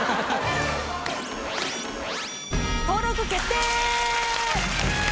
登録決定！